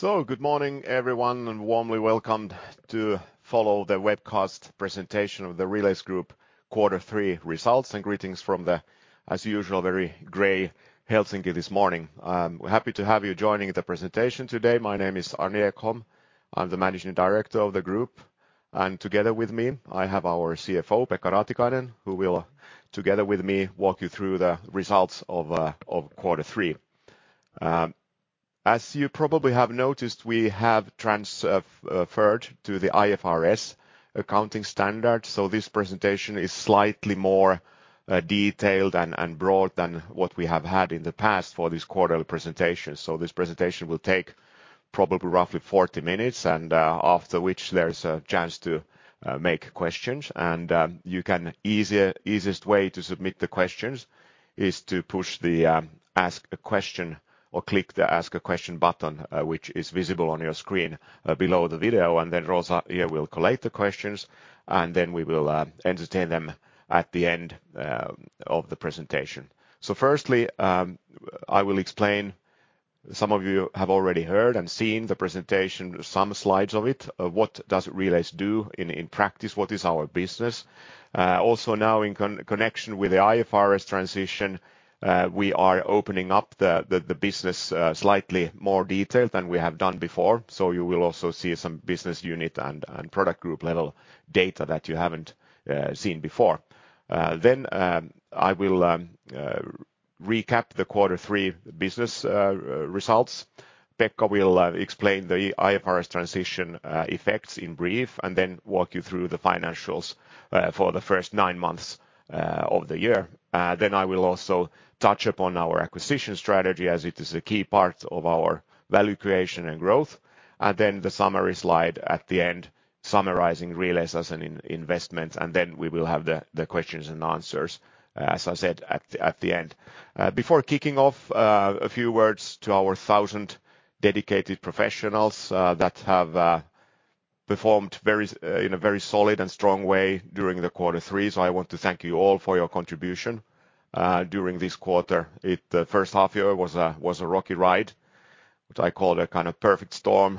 Good morning everyone, and warmly welcome to follow the webcast presentation of the Relais Group quarter three results. Greetings from the, as usual, very gray Helsinki this morning. We're happy to have you joining the presentation today. My name is Arni Ekholm. I'm the managing director of the group. Together with me, I have our CFO, Pekka Raatikainen, who will, together with me, walk you through the results of quarter three. As you probably have noticed, we have transferred to the IFRS accounting standard, so this presentation is slightly more detailed and broad than what we have had in the past for this quarterly presentation. This presentation will take probably roughly 40 minutes and after which there is a chance to make questions. You can easier... Easiest way to submit the questions is to push the ask a question or click the Ask a Question button, which is visible on your screen, below the video and then Rosa here will collate the questions, and then we will entertain them at the end of the presentation. First, I will explain. Some of you have already heard and seen the presentation, some slides of it. What does Relais do in practice? What is our business? Also now in connection with the IFRS transition, we are opening up the business slightly more detailed than we have done before. You will also see some business unit and product group level data that you haven't seen before. Then, I will recap the quarter three business results. Pekka will explain the IFRS transition effects in brief, and then walk you through the financials for the first nine months of the year. Then I will also touch upon our acquisition strategy as it is a key part of our value creation and growth. Then the summary slide at the end summarizing Relais as an investment, and then we will have the questions and answers, as I said, at the end. Before kicking off, a few words to our 1,000 dedicated professionals that have performed in a very solid and strong way during quarter three. I want to thank you all for your contribution during this quarter. The first half year was a rocky ride, which I call a kind of perfect storm.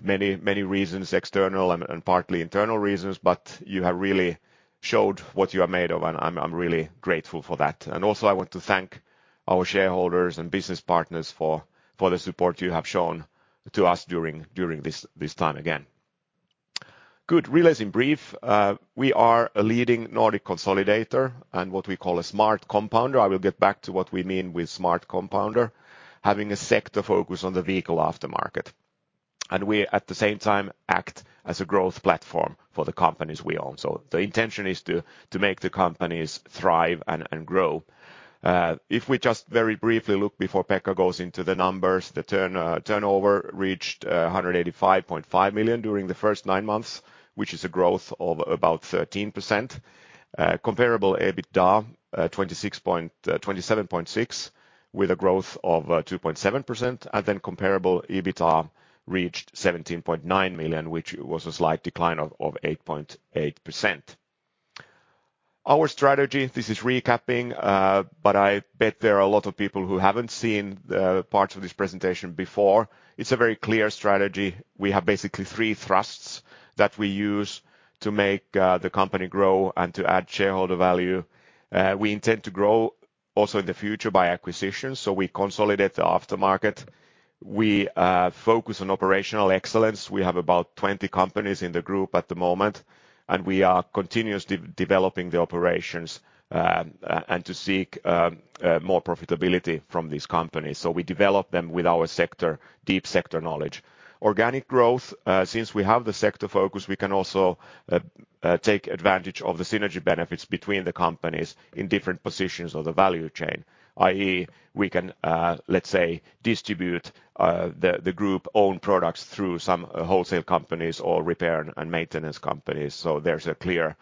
Many reasons, external and partly internal reasons, but you have really showed what you are made of, and I'm really grateful for that. Also I want to thank our shareholders and business partners for the support you have shown to us during this time again. Good. Relais in brief. We are a leading Nordic consolidator and what we call a smart compounder. I will get back to what we mean with smart compounder. Having a sector focus on the vehicle aftermarket. We at the same time act as a growth platform for the companies we own. The intention is to make the companies thrive and grow. If we just very briefly look before Pekka goes into the numbers, turnover reached 185.5 million during the first nine months, which is a growth of about 13%. Comparable EBITDA, 27.6, with a growth of 2.7%. Comparable EBITA reached 17.9 million, which was a slight decline of 8.8%. Our strategy, this is recapping, but I bet there are a lot of people who haven't seen the parts of this presentation before. It's a very clear strategy. We have basically three thrusts that we use to make the company grow and to add shareholder value. We intend to grow also in the future by acquisition. We consolidate the aftermarket. We focus on operational excellence. We have about 20 companies in the group at the moment, and we are continuously developing the operations and to seek more profitability from these companies. We develop them with our deep sector knowledge. Organic growth, since we have the sector focus, we can also take advantage of the synergy benefits between the companies in different positions of the value chain. i.e. we can, let's say, distribute the group own products through some wholesale companies or repair and maintenance companies. So, there's a clear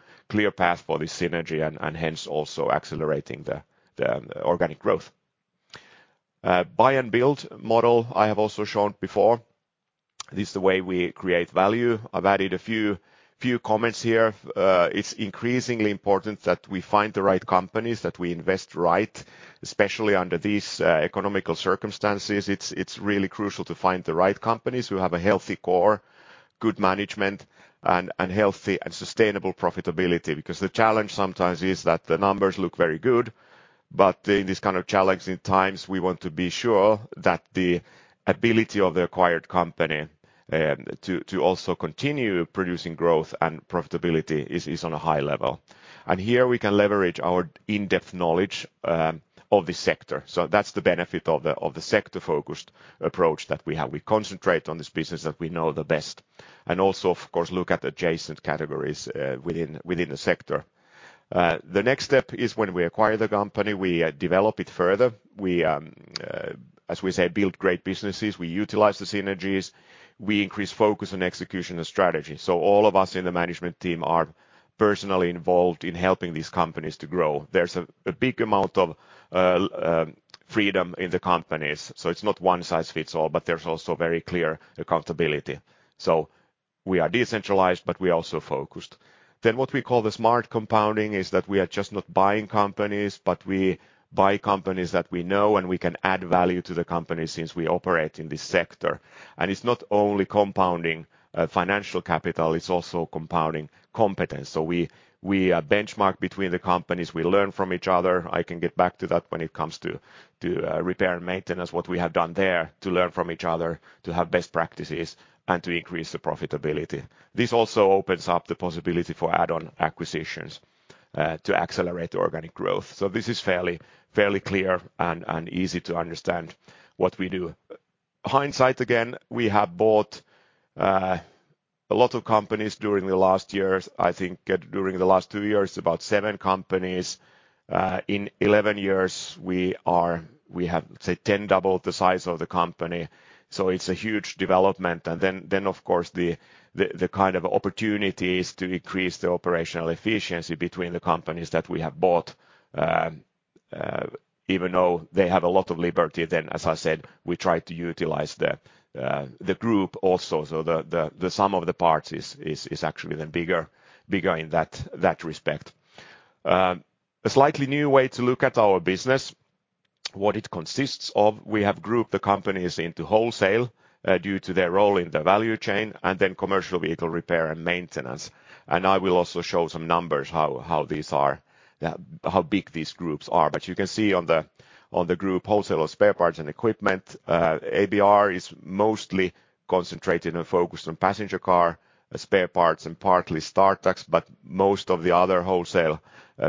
path for this synergy and hence also accelerating the organic growth. Buy and build model I have also shown before. This is the way we create value. I've added a few comments here. It's increasingly important that we find the right companies that we invest right, especially under these economic circumstances. It's really crucial to find the right companies who have a healthy core, good management and healthy and sustainable profitability. Because the challenge sometimes is that the numbers look very good, but in this kind of challenging times, we want to be sure that the ability of the acquired company to also continue producing growth and profitability is on a high level. Here we can leverage our in-depth knowledge of the sector. That's the benefit of the sector-focused approach that we have. We concentrate on this business that we know the best, and also of course, look at adjacent categories within the sector. The next step is when we acquire the company, we develop it further. We, as we say, build great businesses. We utilize the synergies. We increase focus on execution and strategy. All of us in the management team are personally involved in helping these companies to grow. There's a big amount of freedom in the companies, so it's not one-size-fits-all, but there's also very clear accountability. We are decentralized, but we're also focused. What we call the smart compounding is that we're not just buying companies, but we buy companies that we know and we can add value to the company since we operate in this sector. It's not only compounding financial capital, it's also compounding competence. We benchmark between the companies. We learn from each other. I can get back to that when it comes to repair and maintenance, what we have done there to learn from each other to have best practices and to increase the profitability. This also opens up the possibility for add-on acquisitions to accelerate organic growth. This is fairly clear and easy to understand what we do. Hindsight again, we have bought a lot of companies during the last years. I think during the last two years, about seven companies. In 11 years, we have, say, 10 double the size of the company, so it's a huge development. Of course, the kind of opportunities to increase the operational efficiency between the companies that we have bought, even though they have a lot of liberty, then as I said, we try to utilize the group also. The sum of the parts is actually then bigger in that respect. A slightly new way to look at our business, what it consists of, we have grouped the companies into wholesale due to their role in the value chain and then commercial vehicle repair and maintenance. I will also show some numbers how these are, how big these groups are. You can see on the group wholesale of spare parts and equipment, ABR is mostly concentrated and focused on passenger car spare parts and partly Startax, but most of the other wholesale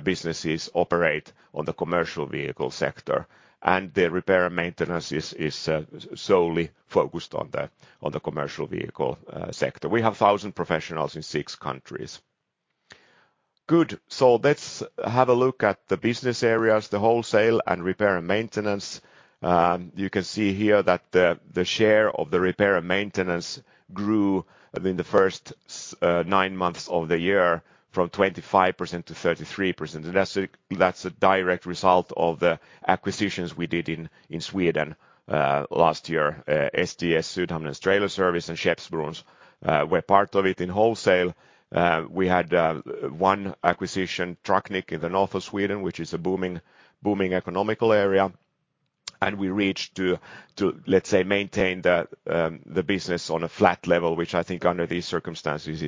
businesses operate on the commercial vehicle sector. The repair and maintenance is solely focused on the commercial vehicle sector. We have 1,000 professionals in six countries. Good. Let's have a look at the business areas, the wholesale and repair and maintenance. You can see here that the share of the repair and maintenance grew within the first nine months of the year from 25%-33%. That's a direct result of the acquisitions we did in Sweden last year, STS Sydhamnens Trailer Service and Skeppsbrons were part of it. In wholesale, we had one acquisition, Trucknik, in the north of Sweden, which is a booming economic area. We reached to let's say maintain the business on a flat level, which I think under these circumstances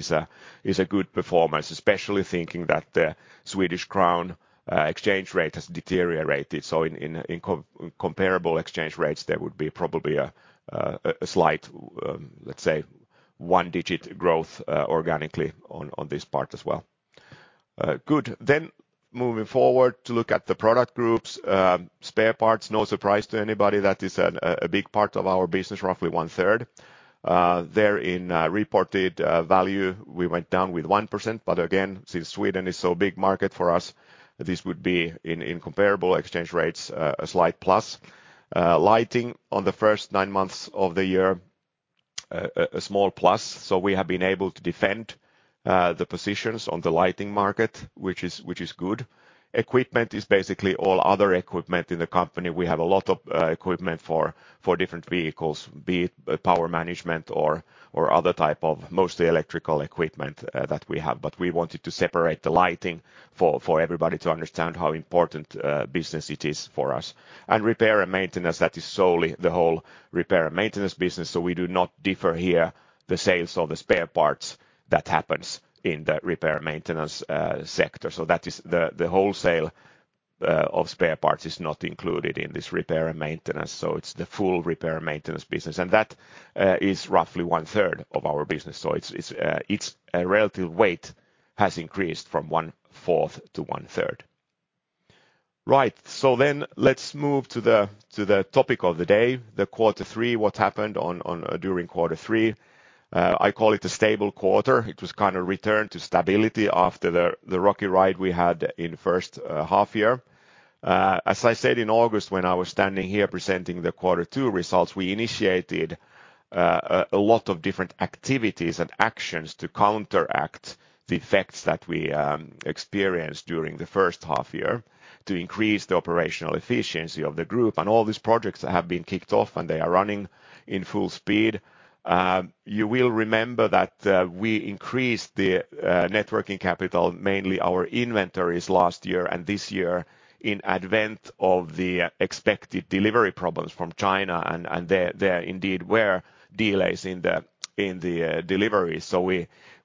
is a good performance, especially thinking that the Swedish crown exchange rate has deteriorated. In comparable exchange rates, there would be probably a slight let's say one-digit growth organically on this part as well. Good. Then, moving forward to look at the product groups, spare parts, no surprise to anybody. That is a big part of our business, roughly 1/3. There, in reported value, we went down with 1%. But again, since Sweden is so big market for us, this would be in comparable exchange rates, a slight plus. Lighting on the first nine months of the year, a small plus. We have been able to defend the positions on the lighting market, which is good. Equipment is basically all other equipment in the company. We have a lot of equipment for different vehicles, be it power management or other type of mostly electrical equipment that we have, but we wanted to separate the lighting for everybody to understand how important business it is for us. Repair and maintenance, that is solely the whole repair and maintenance business. We do not differ here the sales or the spare parts that happens in the repair and maintenance sector. That is the wholesale of spare parts is not included in this repair and maintenance. It's the full repair and maintenance business. That is roughly one-third of our business. It's relative weight has increased from 1/4 to 1/3. Right. Let's move to the topic of the day, quarter three, what happened during quarter three. I call it a stable quarter. It was kind of return to stability after the rocky ride we had in first half year. As I said in August when I was standing here presenting the quarter two results, we initiated a lot of different activities and actions to counteract the effects that we experienced during the first half year to increase the operational efficiency of the group. All these projects have been kicked off, and they are running in full speed. You will remember that we increased the net working capital, mainly our inventories last year and this year in advance of the expected delivery problems from China. There indeed were delays in the delivery.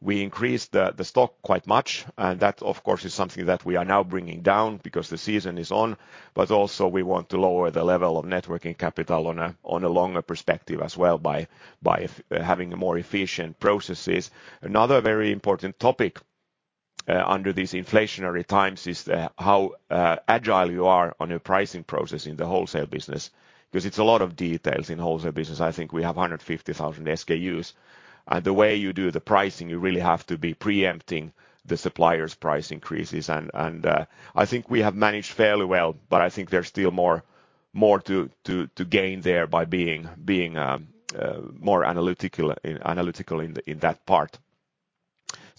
We increased the stock quite much. That, of course, is something that we are now bringing down because the season is on. Also we want to lower the level of net working capital on a longer perspective as well by having more efficient processes. Another very important topic under these inflationary times is how agile you are on your pricing process in the wholesale business because it's a lot of details in wholesale business. I think we have 150,000 SKUs. The way you do the pricing, you really have to be preempting the supplier's price increases. I think we have managed fairly well, but I think there's still more to gain there by being more analytical in that part.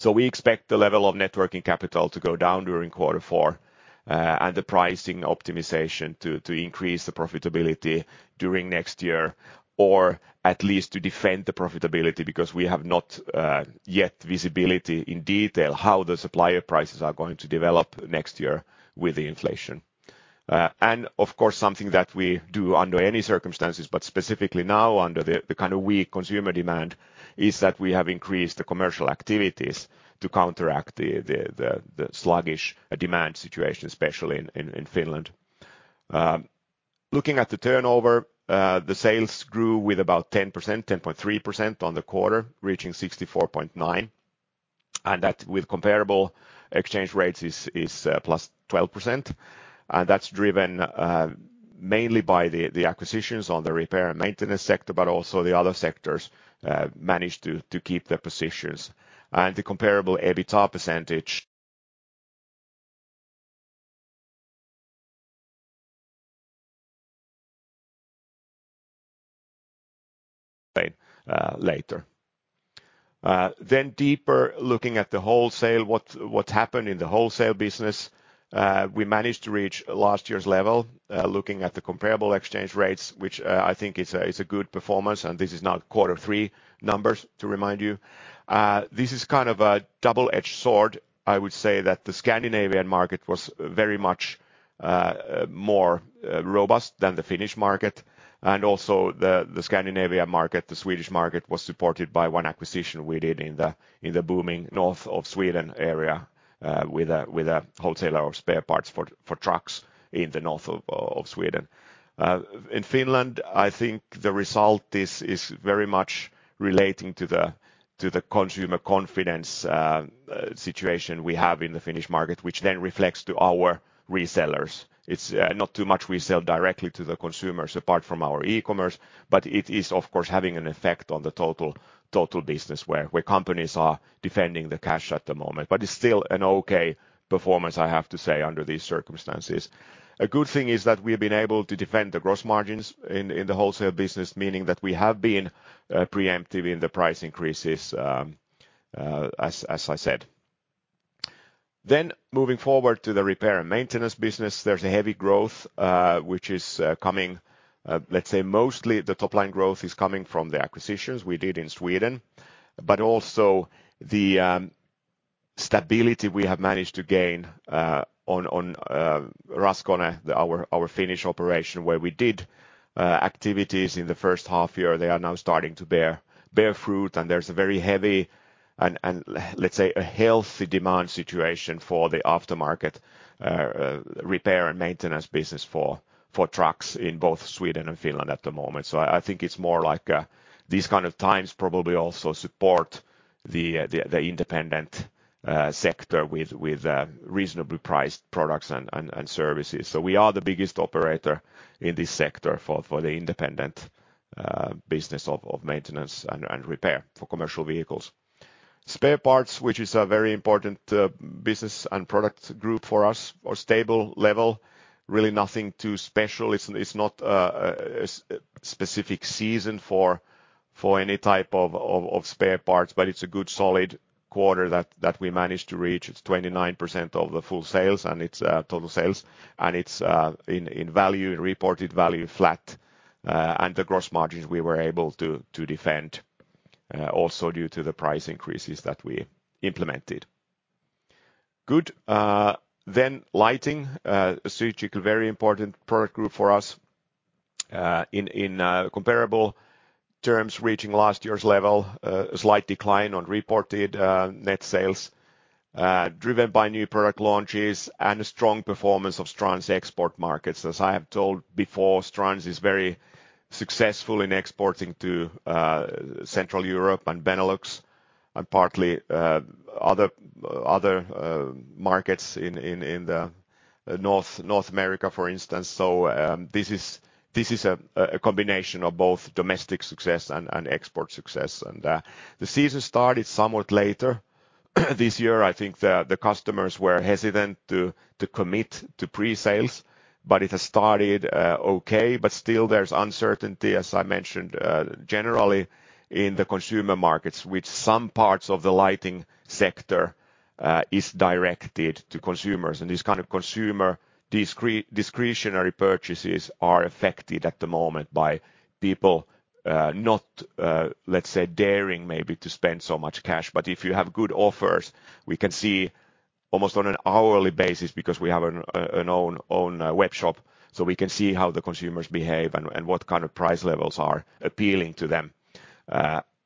We expect the level of net working capital to go down during quarter four, and the pricing optimization to increase the profitability during next year, or at least to defend the profitability because we have not yet visibility in detail how the supplier prices are going to develop next year with the inflation. Of course, something that we do under any circumstances, but specifically now under the kind of weak consumer demand is that we have increased the commercial activities to counteract the sluggish demand situation, especially in Finland. Looking at the turnover, the sales grew with about 10%, 10.3% on the quarter, reaching 64.9, and that with comparable exchange rates is +12%. That's driven mainly by the acquisitions in the repair and maintenance sector, but also the other sectors managed to keep their positions. The comparable EBITA percentage later. Then, deeper looking at the wholesale, what happened in the wholesale business. We managed to reach last year's level, looking at the comparable exchange rates, which I think is a good performance, and this is now quarter three numbers to remind you. This is kind of a double-edged sword. I would say that the Scandinavian market was very much more robust than the Finnish market. Also the Scandinavian market, the Swedish market, was supported by one acquisition we did in the booming north of Sweden area, with a wholesaler of spare parts for trucks in the north of Sweden. In Finland, I think the result is very much relating to the consumer confidence situation we have in the Finnish market, which then reflects to our resellers. It's not too much we sell directly to the consumers apart from our e-commerce, but it is of course having an effect on the total business where companies are defending the cash at the moment, but it's still an okay performance, I have to say, under these circumstances. A good thing is that we've been able to defend the gross margins in the wholesale business, meaning that we have been preemptive in the price increases, as I said. Then, moving forward to the repair and maintenance business, there's a heavy growth, which is coming, let's say mostly the top line growth is coming from the acquisitions we did in Sweden, but also the stability we have managed to gain on Raskone, our Finnish operation, where we did activities in the first half year. They are now starting to bear fruit, and there's a very heavy and let's say a healthy demand situation for the aftermarket repair and maintenance business for trucks in both Sweden and Finland at the moment. So I think it's more like these kind of times probably also support the independent sector with reasonably priced products and services. We are the biggest operator in this sector for the independent business of maintenance and repair for commercial vehicles. Spare parts, which is a very important business and product group for us are stable level, really nothing too special. It's not a specific season for any type of spare parts, but it's a good solid quarter that we managed to reach. It's 29% of the full sales and it's total sales and it's in value, in reported value flat, and the gross margins we were able to defend also due to the price increases that we implemented. Good. Then lighting, strategically very important product group for us, in comparable terms, reaching last year's level, a slight decline on reported net sales, driven by new product launches and a strong performance of Strands export markets. As I have told before, Strands is very successful in exporting to Central Europe and Benelux and partly other markets in the North America, for instance. This is a combination of both domestic success and export success. The season started somewhat later this year. I think the customers were hesitant to commit to pre-sales, but it has started okay, but still there's uncertainty, as I mentioned, generally in the consumer markets, which some parts of the lighting sector is directed to consumers. These kind of consumer discretionary purchases are affected at the moment by people not, let's say, daring maybe to spend so much cash, but if you have good offers, we can see almost on an hourly basis because we have an own web shop, so we can see how the consumers behave and what kind of price levels are appealing to them.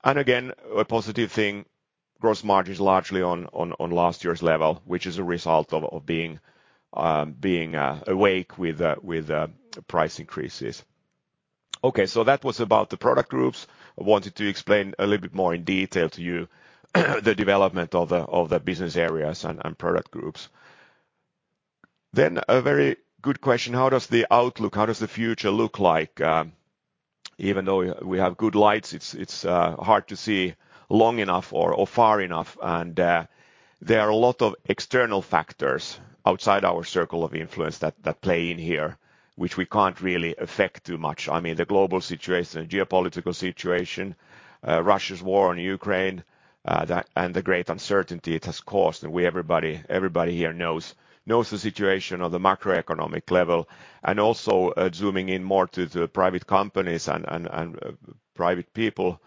Again, a positive thing, gross margin is largely on last year's level, which is a result of being awake with price increases. Okay, that was about the product groups. I wanted to explain a little bit more in detail to you the development of the business areas and product groups. Then, a very good question, how does the outlook, how does the future look like? Even though we have good lights, it's hard to see long enough or far enough and there are a lot of external factors outside our circle of influence that play in here, which we can't really affect too much. I mean, the global situation, geopolitical situation, Russia's war on Ukraine and the great uncertainty it has caused. Everybody here knows the situation on the macroeconomic level, and also, zooming in more to the private companies and private people.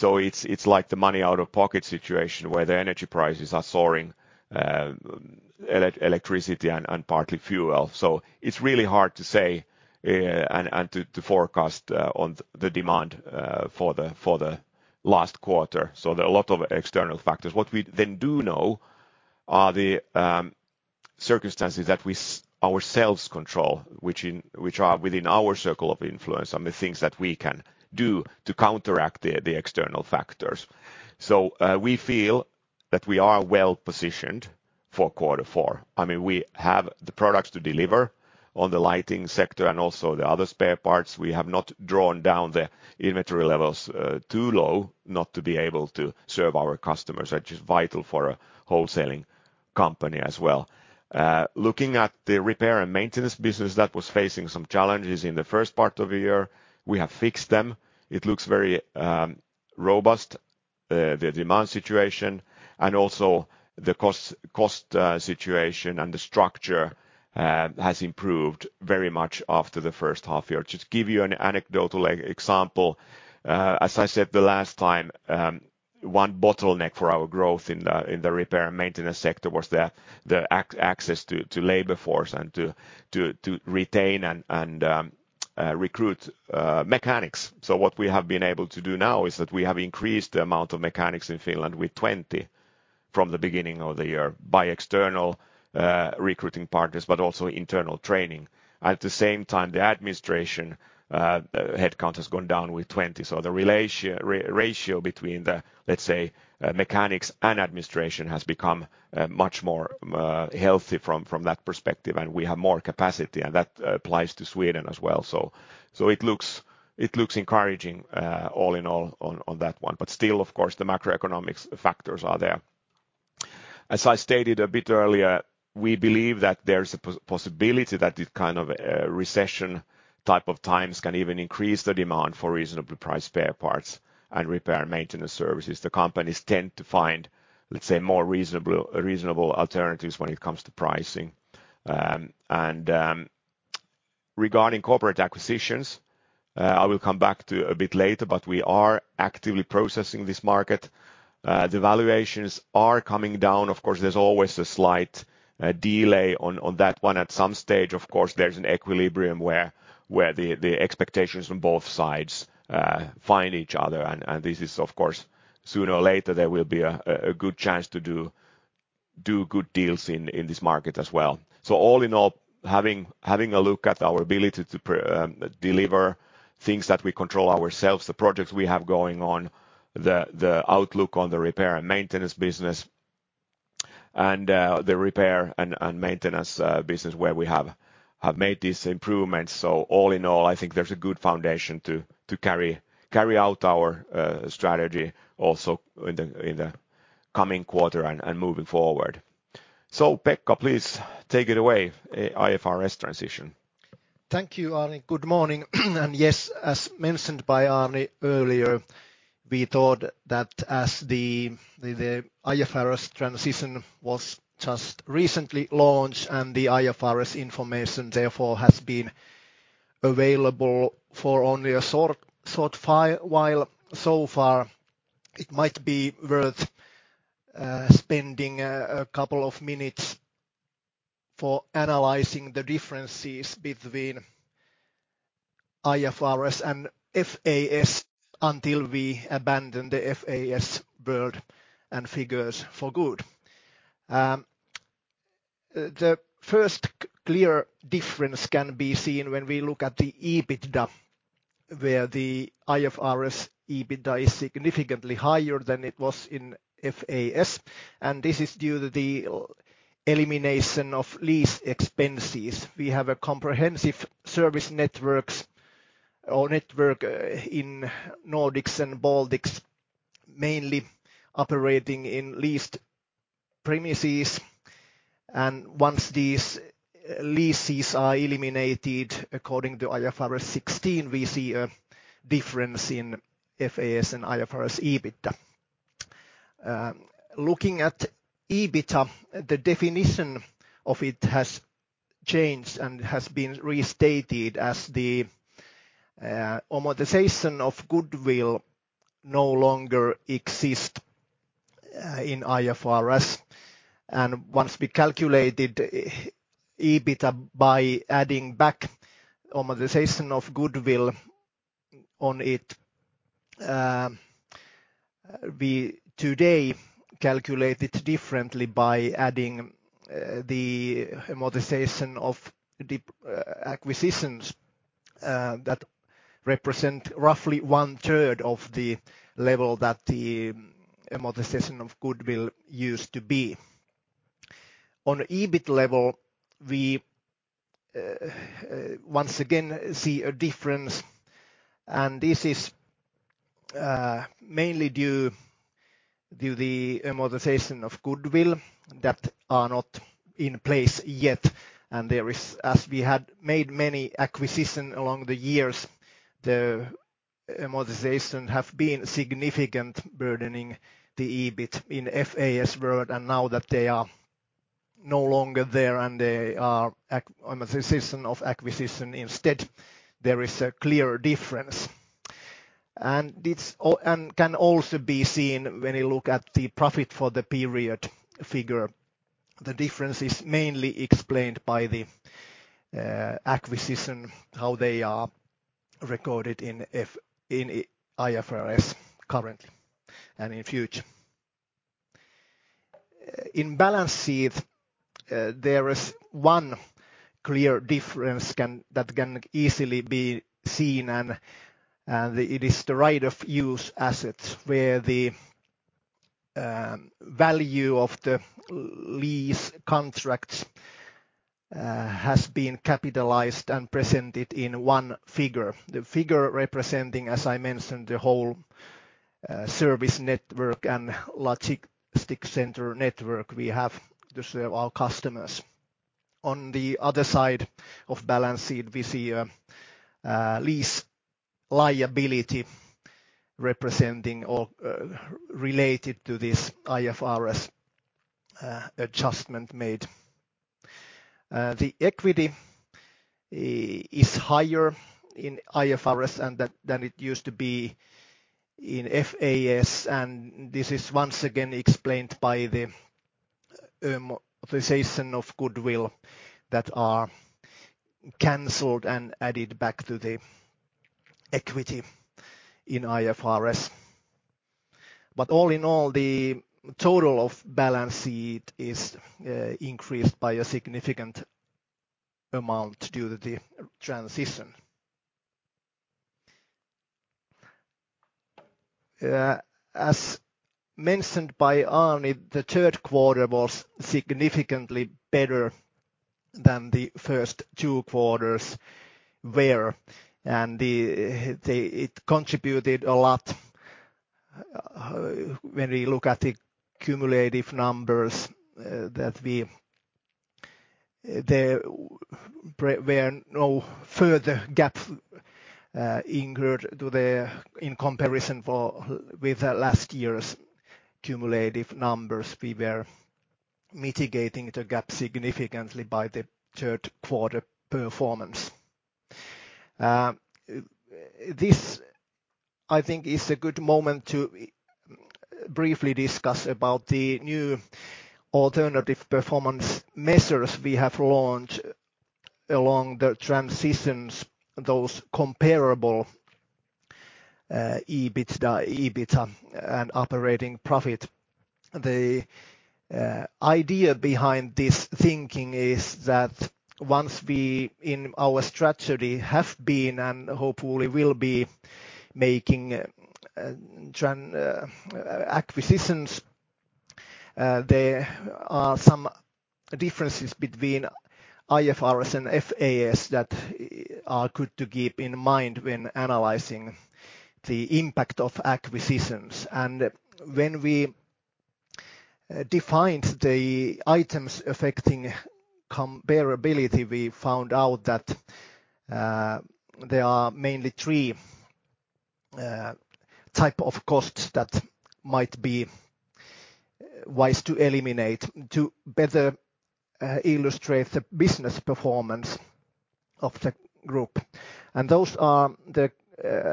It's like the money out-of-pocket situation where the energy prices are soaring, electricity and partly fuel. It's really hard to say and to forecast on the demand for the last quarter. There are a lot of external factors. What we then do know are the circumstances that we ourselves control, which are within our circle of influence and the things that we can do to counteract the external factors. We feel that we are well positioned for quarter four. I mean, we have the products to deliver on the lighting sector and also the other spare parts. We have not drawn down the inventory levels too low not to be able to serve our customers, which is vital for a wholesaling company as well. Looking at the repair and maintenance business that was facing some challenges in the first part of the year, we have fixed them. It looks very robust, the demand situation and also the cost situation and the structure has improved very much after the first half year. Just to give you an anecdotal example, as I said the last time, one bottleneck for our growth in the repair and maintenance sector was the access to labor force and to retain and recruit mechanics. What we have been able to do now is that we have increased the amount of mechanics in Finland with 20 from the beginning of the year by external recruiting partners, but also internal training. At the same time, the administration headcount has gone down with 20, so the ratio between the, let's say, mechanics and administration has become much more healthy from that perspective, and we have more capacity, and that applies to Sweden as well. It looks encouraging all in all on that one. Still, of course, the macroeconomic factors are there. As I stated a bit earlier, we believe that there's a possibility that this kind of recession type of times can even increase the demand for reasonably priced spare parts and repair and maintenance services. The companies tend to find, let's say, more reasonable alternatives when it comes to pricing. Regarding corporate acquisitions, I will come back to a bit later, but we are actively processing this market. The valuations are coming down. Of course, there's always a slight delay on that one. At some stage, of course, there's an equilibrium where the expectations from both sides find each other. This is, of course, sooner or later, there will be a good chance to do good deals in this market as well. All in all, having a look at our ability to deliver things that we control ourselves, the projects we have going on, the outlook on the repair and maintenance business and the repair and maintenance business where we have made these improvements. All in all, I think there's a good foundation to carry out our strategy also in the coming quarter and moving forward. Pekka, please take it away, IFRS transition. Thank you, Arni. Good morning. Yes, as mentioned by Arni earlier, we thought that as the IFRS transition was just recently launched and the IFRS information therefore has been available for only a short while so far, it might be worth spending a couple of minutes for analyzing the differences between IFRS and FAS until we abandon the FAS world and figures for good. The first clear difference can be seen when we look at the EBITDA, where the IFRS EBITDA is significantly higher than it was in FAS, and this is due to the elimination of lease expenses. We have a comprehensive service network in Nordics and Baltics, mainly operating in leased premises. Once these leases are eliminated according to IFRS 16, we see a difference in FAS and IFRS EBITDA. Looking at EBITA, the definition of it has changed and has been restated as the amortization of goodwill no longer exists in IFRS. Once we calculated EBITA by adding back amortization of goodwill on it, we today calculate it differently by adding the amortization of the acquisitions that represent roughly one-third of the level that the amortization of goodwill used to be. On EBIT level, we once again see a difference, and this is mainly due to the amortization of goodwill that are not in place yet. There is, as we had made many acquisitions along the years, the amortization have been significant burdening the EBIT in FAS world. Now that they are no longer there, and they are amortization of acquisitions instead, there is a clear difference. It can also be seen when you look at the profit for the period figure. The difference is mainly explained by the acquisition, how they are recorded in IFRS currently and in future. In balance sheet, there is one clear difference that can easily be seen and it is the right-of-use assets, where the value of the lease contracts has been capitalized and presented in one figure. The figure representing, as I mentioned, the whole service network and logistic center network we have to serve our customers. On the other side of balance sheet, we see a lease liability representing or related to this IFRS adjustment made. The equity is higher in IFRS than it used to be in FAS, and this is once again explained by the amortization of goodwill that are canceled and added back to the equity in IFRS. All in all, the total of balance sheet is increased by a significant amount due to the transition. As mentioned by Arni, the third quarter was significantly better than the first two quarters were. It contributed a lot when we look at the cumulative numbers that there were no further gap incurred in comparison with the last year's cumulative numbers. We were mitigating the gap significantly by the third quarter performance. This, I think, is a good moment to briefly discuss about the new alternative performance measures we have launched along the transitions, those comparable EBITDA, EBIT, and operating profit. The idea behind this thinking is that once we, in our strategy, have been, and hopefully will be making acquisitions, there are some differences between IFRS and FAS that are good to keep in mind when analyzing the impact of acquisitions. When we defined the items affecting comparability, we found out that there are mainly three type of costs that might be wise to eliminate to better illustrate the business performance of the group. Those are the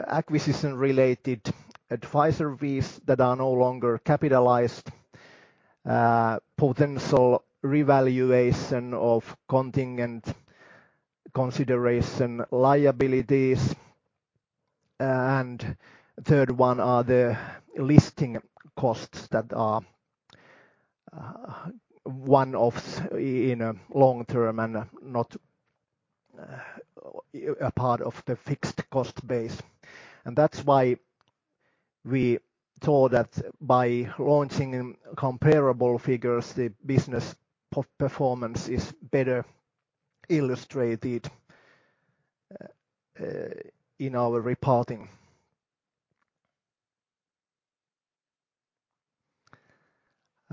acquisition-related advisory fees that are no longer capitalized, potential revaluation of contingent consideration liabilities. Third one are the listing costs that are one-offs in long term and not a part of the fixed cost base. That's why we thought that by launching comparable figures, the business performance is better illustrated in our reporting.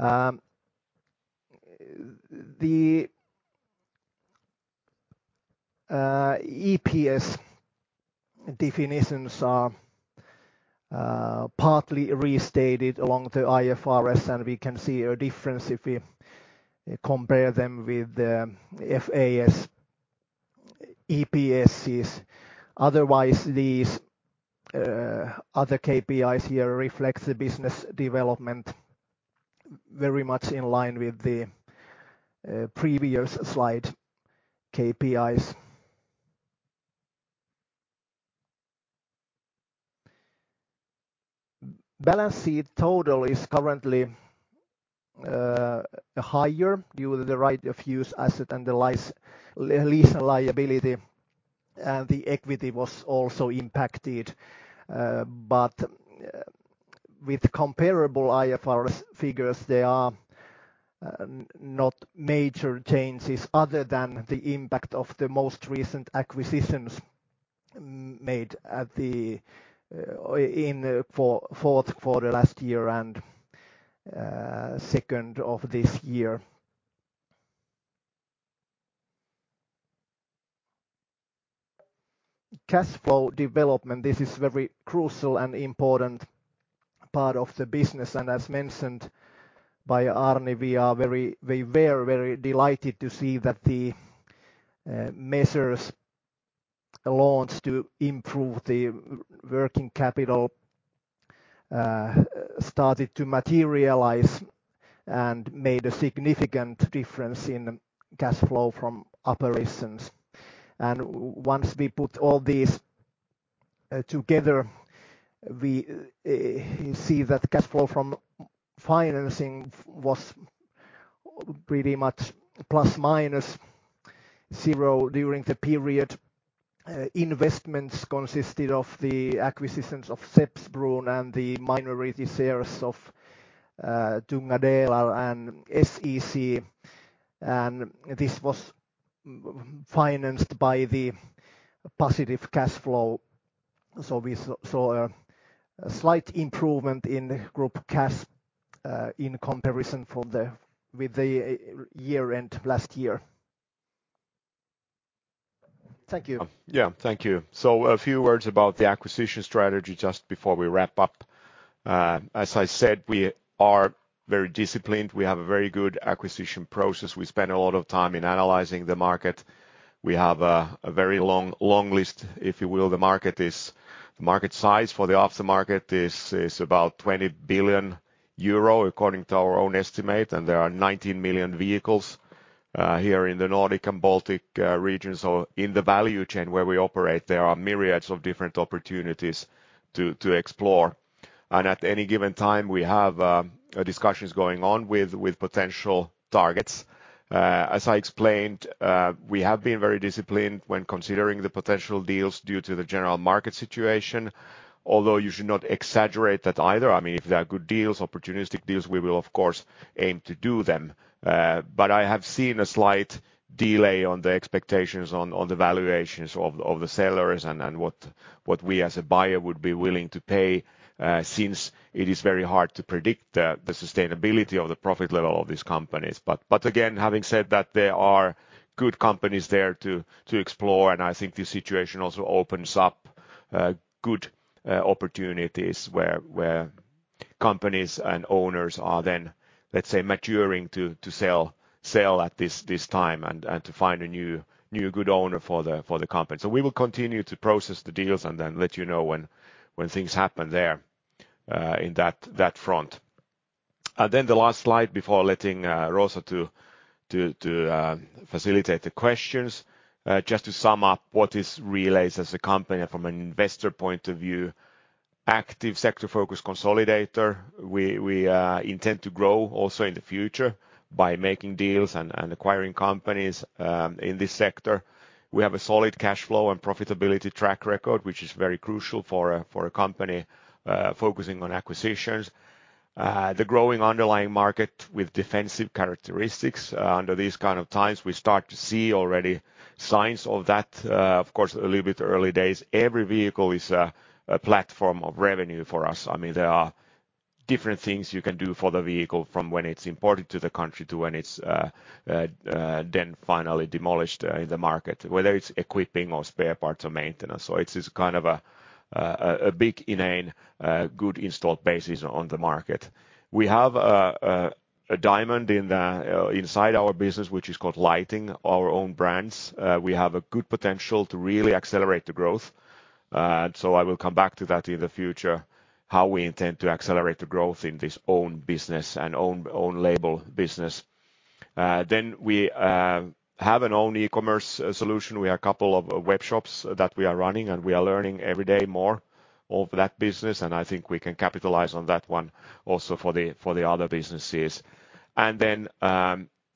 The EPS definitions are partly restated along the IFRS, and we can see a difference if we compare them with the FAS EPSs. Otherwise, these other KPIs here reflects the business development very much in line with the previous slide KPIs. Balance sheet total is currently higher due to the right-of-use asset and the lease liability, and the equity was also impacted. But with comparable IFRS figures, there are not major changes other than the impact of the most recent acquisitions made in the fourth quarter last year and second of this year. Cash flow development, this is very crucial and important part of the business, and as mentioned by Arni, we were very delighted to see that the measures launched to improve the working capital started to materialize and made a significant difference in cash flow from operations. Once we put all these together, we see that cash flow from financing was pretty much plus minus zero during the period. Investments consisted of the acquisitions of Skeppsbrons and the minority shares of Tunga Delar and SEC, and this was financed by the positive cash flow. We saw a slight improvement in group cash in comparison with the year-end last year. Thank you. Yeah. Thank you. A few words about the acquisition strategy just before we wrap up. As I said, we are very disciplined. We have a very good acquisition process. We spend a lot of time in analyzing the market. We have a very long list, if you will. The market size for the aftermarket is about 20 billion euro, according to our own estimate, and there are 19 million vehicles here in the Nordic and Baltic regions, so in the value chain where we operate, there are myriads of different opportunities to explore. At any given time, we have discussions going on with potential targets. As I explained, we have been very disciplined when considering the potential deals due to the general market situation. Although you should not exaggerate that either. I mean, if there are good deals, opportunistic deals, we will, of course, aim to do them. But I have seen a slight delay on the expectations on the valuations of the sellers and what we as a buyer would be willing to pay, since it is very hard to predict the sustainability of the profit level of these companies. But again, having said that, there are good companies there to explore, and I think this situation also opens up good opportunities where companies and owners are then, let's say, maturing to sell at this time and to find a new good owner for the company. We will continue to process the deals and then let you know when things happen there in that front. Then the last slide before letting Rosa to facilitate the questions, just to sum up what is Relais as a company and from an investor point of view. Active sector-focused consolidator. We intend to grow also in the future by making deals and acquiring companies in this sector. We have a solid cash flow and profitability track record, which is very crucial for a company focusing on acquisitions. The growing underlying market with defensive characteristics. Under these kind of times, we start to see already signs of that. Of course, a little bit early days. Every vehicle is a platform of revenue for us. I mean, there are different things you can do for the vehicle from when it's imported to the country to when it's then finally demolished in the market, whether it's equipping or spare parts or maintenance. It is kind of a big innate good installed bases on the market. We have a diamond inside our business, which is called lighting our own brands. We have a good potential to really accelerate the growth. I will come back to that in the future, how we intend to accelerate the growth in this own business and own label business. Then, we have our own e-commerce solution. We have a couple of web shops that we are running, and we are learning every day more of that business, and I think we can capitalize on that one also for the other businesses.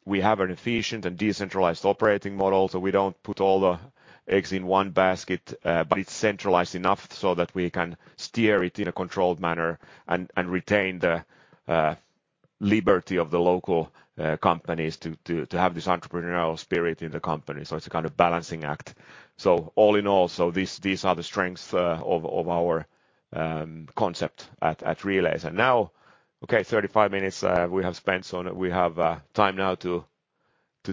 We have an efficient and decentralized operating model, so we don't put all the eggs in one basket, but it's centralized enough so that we can steer it in a controlled manner and retain the liberty of the local companies to have this entrepreneurial spirit in the company. It's a kind of balancing act. All in all, these are the strengths of our concept at Relais. Now, 35 minutes we have spent, so we have time now to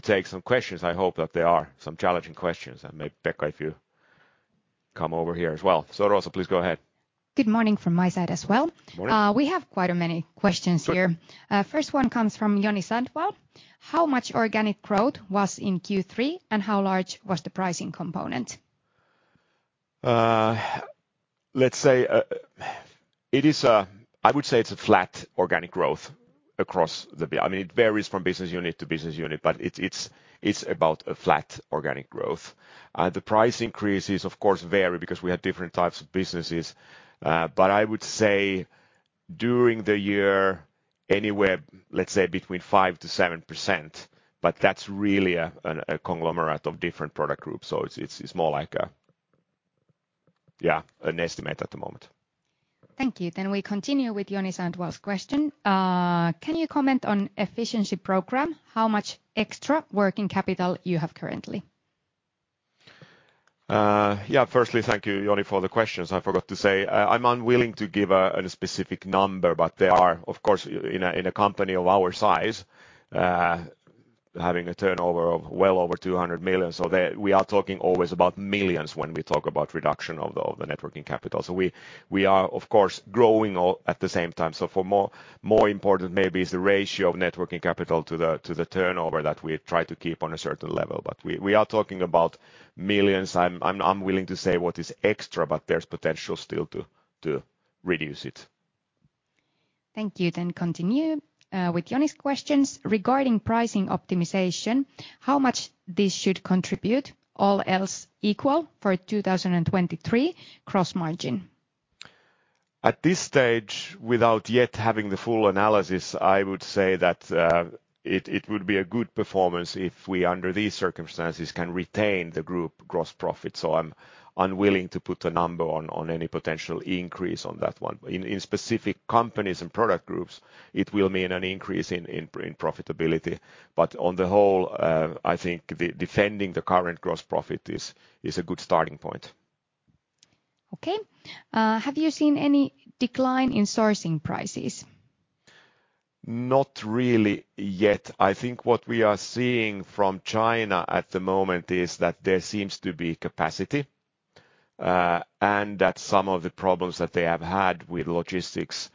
take some questions. I hope that there are some challenging questions. Maybe, Pekka, if you come over here as well. Rosa, please go ahead. Good morning from my side as well. Morning. We have quite a many questions here. Sure. First one comes from Joni Sandvall. How much organic growth was in Q3, and how large was the pricing component? Let's say, it is. I would say it's a flat organic growth across. I mean, it varies from business unit to business unit, but it's about a flat organic growth. The price increases of course vary because we have different types of businesses, but I would say during the year, anywhere, let's say between 5%-7%, but that's really a conglomerate of different product groups, so it's more like yeah, an estimate at the moment. Thank you. We continue with Joni Sandvall's question. Can you comment on efficiency program? How much extra working capital you have currently? Yeah, firstly, thank you, Joni, for the questions. I forgot to say, I'm unwilling to give a specific number, but there are, of course, in a company of our size, having a turnover of well over 200 million, so we are talking always about millions when we talk about reduction of the net working capital. We are of course growing all at the same time. For more important maybe is the ratio of net working capital to the turnover that we try to keep on a certain level. We are talking about millions. I'm unwilling to say what is extra, but there's potential still to reduce it. Thank you. Continue with Joni's questions. Regarding pricing optimization, how much this should contribute, all else equal, for 2023 gross margin? At this stage, without yet having the full analysis, I would say that it would be a good performance if we, under these circumstances, can retain the group gross profit. I'm unwilling to put a number on any potential increase on that one. In specific companies and product groups, it will mean an increase in profitability, but on the whole, I think defending the current gross profit is a good starting point. Okay. Have you seen any decline in sourcing prices? Not really yet. I think what we are seeing from China at the moment is that there seems to be capacity, and that some of the problems that they have had with logistics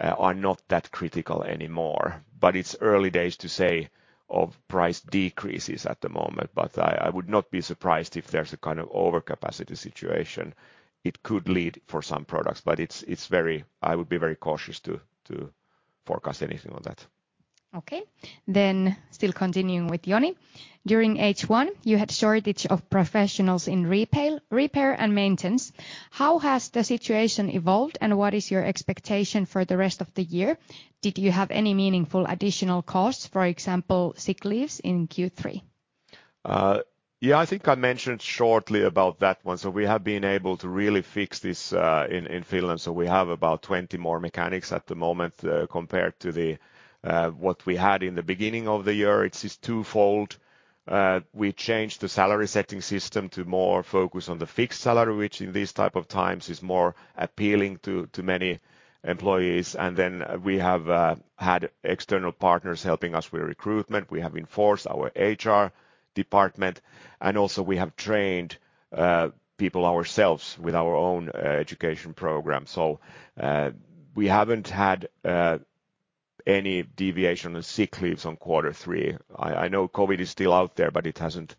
are not that critical anymore, but it's early days to say of price decreases at the moment. I would not be surprised if there's a kind of overcapacity situation. It could lead for some products, but I would be very cautious to forecast anything on that. Okay. Still continuing with Joni. During H1, you had shortage of professionals in repair and maintenance. How has the situation evolved, and what is your expectation for the rest of the year? Did you have any meaningful additional costs, for example, sick leaves in Q3? Yeah, I think I mentioned shortly about that one. We have been able to really fix this in Finland. We have about 20 more mechanics at the moment compared to what we had in the beginning of the year. It is twofold. We changed the salary setting system to more focus on the fixed salary, which in these type of times is more appealing to many employees. Then we have had external partners helping us with recruitment. We have enforced our HR department, and also we have trained people ourselves with our own education program. We haven't had any deviation on sick leaves on quarter three. I know COVID is still out there, but it hasn't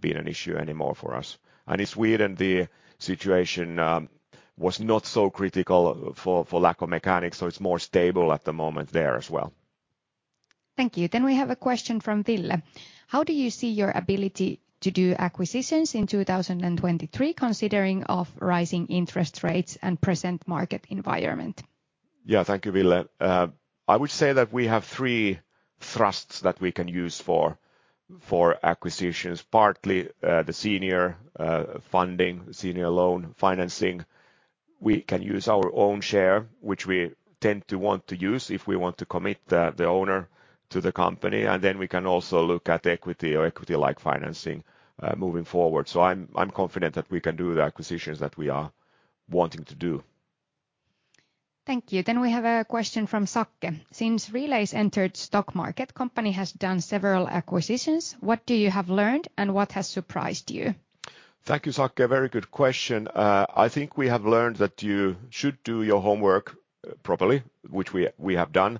been an issue anymore for us. In Sweden, the situation was not so critical for lack of mechanics, so it's more stable at the moment there as well. Thank you. We have a question from Ville. How do you see your ability to do acquisitions in 2023 considering of rising interest rates and present market environment? Yeah. Thank you, Ville. I would say that we have three thrusts that we can use for acquisitions, partly the senior funding, senior loan financing. We can use our own share, which we tend to want to use if we want to commit the owner to the company. We can also look at equity or equity-like financing moving forward. I'm confident that we can do the acquisitions that we are wanting to do. Thank you. We have a question from Sakke. Since Relais entered stock market, company has done several acquisitions. What do you have learned, and what has surprised you? Thank you, Sakke. Very good question. I think we have learned that you should do your homework properly, which we have done.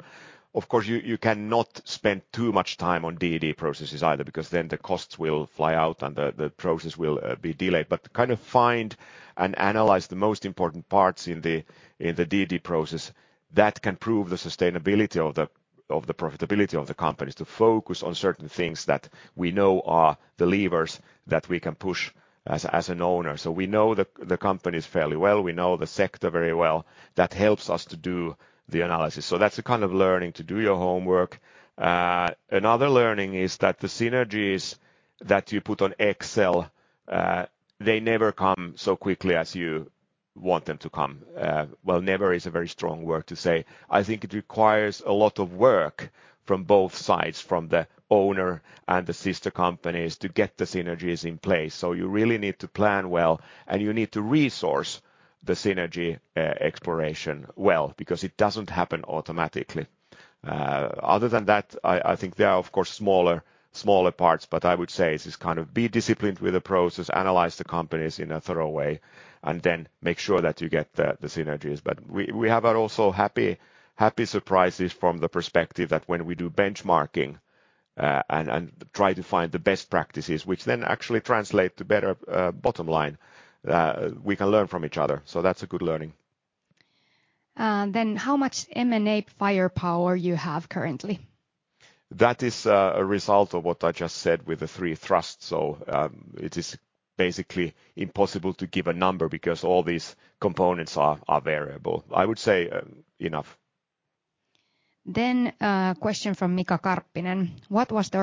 Of course, you cannot spend too much time on DD processes either because then the costs will fly out and the process will be delayed, but to kind of find and analyze the most important parts in the DD process that can prove the sustainability of the profitability of the companies to focus on certain things that we know are the levers that we can push as an owner. We know the companies fairly well. We know the sector very well. That helps us to do the analysis. That's the kind of learning to do your homework. Another learning is that the synergies that you put on Excel, they never come so quickly as you want them to come. Well, never is a very strong word to say. I think it requires a lot of work from both sides, from the owner and the sister companies, to get the synergies in place. You really need to plan well, and you need to resource the synergy exploration well because it doesn't happen automatically. Other than that, I think there are of course smaller parts, but I would say it is kind of be disciplined with the process, analyze the companies in a thorough way, and then make sure that you get the synergies. We have also happy surprises from the perspective that when we do benchmarking, and try to find the best practices, which then actually translate to better bottom line, we can learn from each other. That's a good learning. How much M&A firepower you have currently? That is, a result of what I just said with the three thrusts. It is basically impossible to give a number because all these components are variable. I would say, enough Question from Mika Karppinen. What was the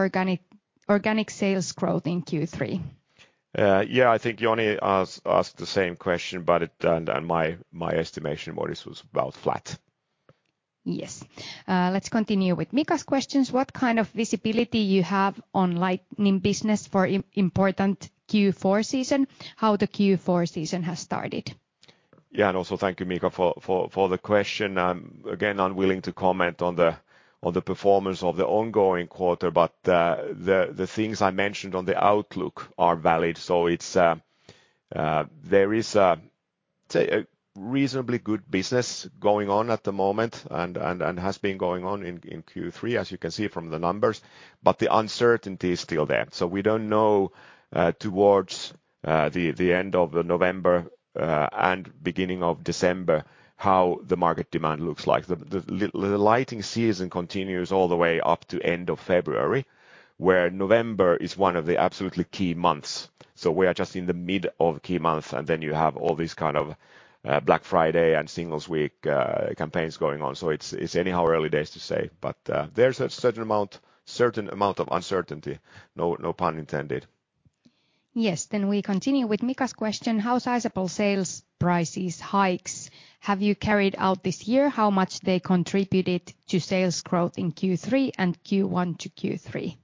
organic sales growth in Q3? Yeah, I think Joni Sandvall asked the same question, but my estimation was this was about flat. Yes. Let's continue with Mika's questions. What kind of visibility you have on lighting business for important Q4 season? How the Q4 season has started? Thank you, Mika, for the question. Again, unwilling to comment on the performance of the ongoing quarter, but the things I mentioned on the outlook are valid. There is a reasonably good business going on at the moment and has been going on in Q3, as you can see from the numbers, but the uncertainty is still there. We don't know towards the end of November and beginning of December how the market demand looks like. The lighting season continues all the way up to end of February, where November is one of the absolutely key months. We are just in the midst of key month, and then you have all these kind of Black Friday and Singles' week campaigns going on, so it's anyhow early days to say, but there's a certain amount of uncertainty. No pun intended. Yes. Then, we continue with Mika's question: how sizable sales price hikes have you carried out this year? How much they contributed to sales growth in Q3 and Q1 to Q3?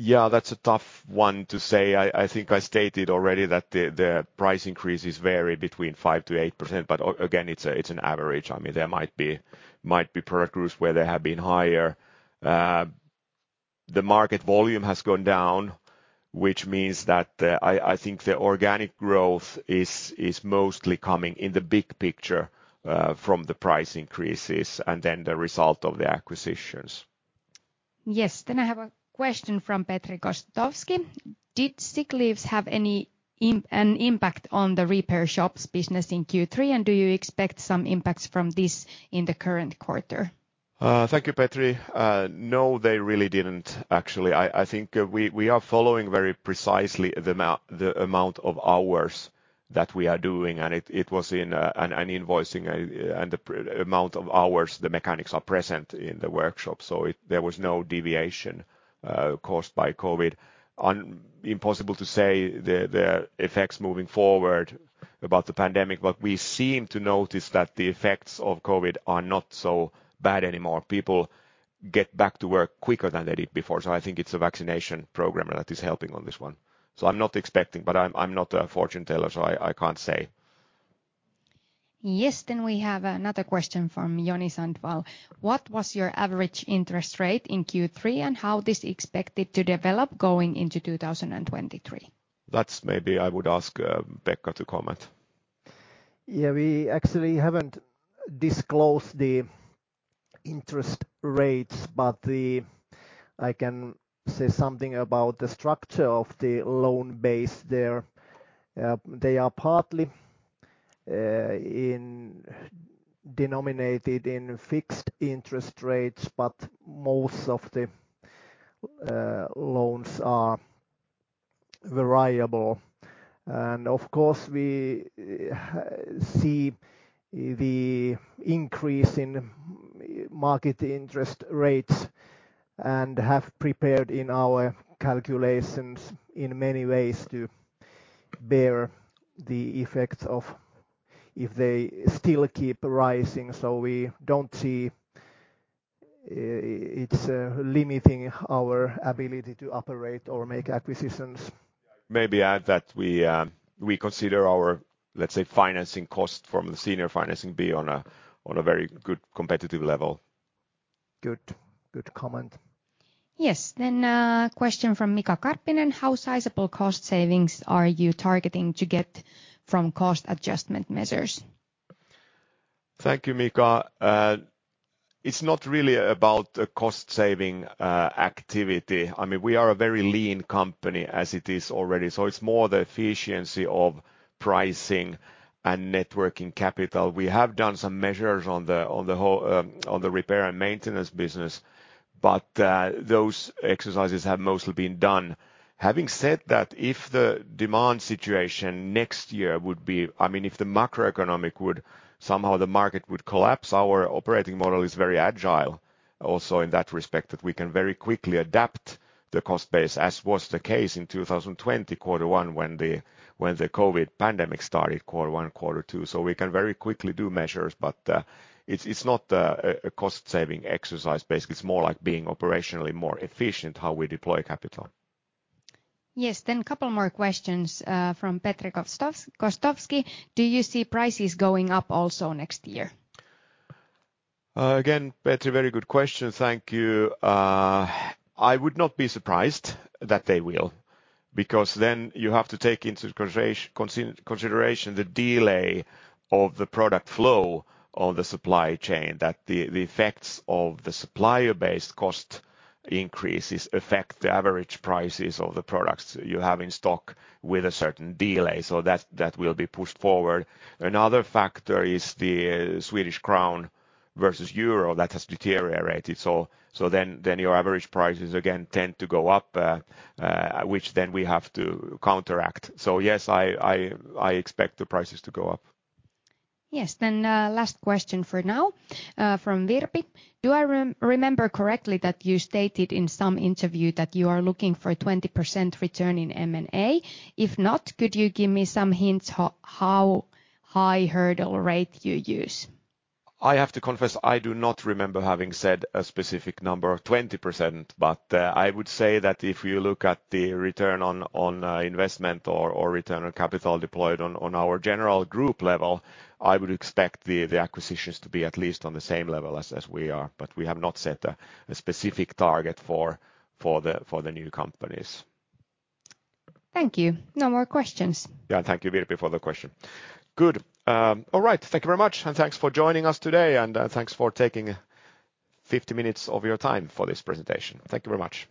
Yeah, that's a tough one to say. I think I stated already that the price increases vary between 5%-8%, but again, it's an average. I mean, there might be product groups where they have been higher. The market volume has gone down, which means that I think the organic growth is mostly coming in the big picture from the price increases and then the result of the acquisitions. Yes. I have a question from Petri Gostowski. Did sick leaves have any impact on the repair shops business in Q3, and do you expect some impacts from this in the current quarter? Thank you, Petri. No, they really didn't actually. I think we are following very precisely the amount of hours that we are doing, and it was in and invoicing, and the amount of hours the mechanics are present in the workshop, so there was no deviation caused by COVID. Impossible to say the effects moving forward about the pandemic, but we seem to notice that the effects of COVID are not so bad anymore. People get back to work quicker than they did before. I think it's a vaccination program that is helping on this one. I'm not expecting, but I'm not a fortune teller, so I can't say. Yes. We have another question from Joni Sandvall. What was your average interest rate in Q3, and how is this expected to develop going into 2023? That's maybe I would ask, Pekka to comment. Yeah. We actually haven't disclosed the interest rates, but I can say something about the structure of the loan base there. They are partly denominated in fixed interest rates, but most of the loans are variable. Of course, we see the increase in market interest rates and have prepared in our calculations in many ways to bear the effects of if they still keep rising. We don't see it's limiting our ability to operate or make acquisitions. May I add that we consider our, let's say, financing cost from the senior financing be on a very good competitive level. Good. Good comment. Question from Mika Karppinen: How sizable cost savings are you targeting to get from cost adjustment measures? Thank you, Mika. It's not really about a cost saving activity. I mean, we are a very lean company as it is already. It's more the efficiency of pricing and net working capital. We have done some measures on the repair and maintenance business, but those exercises have mostly been done. Having said that, if the demand situation next year would be, I mean, if the macroeconomic would, somehow the market would collapse, our operating model is very agile also in that respect, that we can very quickly adapt the cost base, as was the case in 2020 quarter one when the COVID pandemic started, quarter one, quarter two. So we can very quickly do measures, but it's not a cost saving exercise. Basically, it's more like being operationally more efficient how we deploy capital. Yes. Couple more questions from Petri Gostowski: do you see prices going up also next year? Again, Petri, very good question. Thank you. I would not be surprised that they will because then you have to take into consideration the delay of the product flow of the supply chain, that the effects of the supplier-based cost increases affect the average prices of the products you have in stock with a certain delay, so that will be pushed forward. Another factor is the Swedish crown versus euro. That has deteriorated. Then, your average prices again tend to go up, which then we have to counteract. Yes, I expect the prices to go up. Yes. Last question for now from Virpi: Do I remember correctly that you stated in some interview that you are looking for a 20% return in M&A? If not, could you give me some hints how high hurdle rate you use? I have to confess, I do not remember having said a specific number of 20%, but I would say that if you look at the return on investment or return on capital deployed on our general group level, I would expect the acquisitions to be at least on the same level as we are, but we have not set a specific target for the new companies. Thank you. No more questions. Yeah. Thank you, Virpi, for the question. Good. All right. Thank you very much, and thanks for joining us today, and, thanks for taking 50 minutes of your time for this presentation. Thank you very much.